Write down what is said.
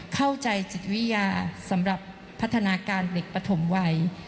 เข้าใจจิตวิทยาสำหรับพัฒนาการเด็กปฐมวัย